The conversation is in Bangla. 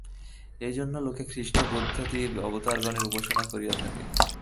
এইজন্যই লোকে খ্রীষ্ট-বুদ্ধাদি অবতারগণের উপাসনা করিয়া থাকে।